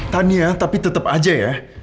tania tapi tetap aja ya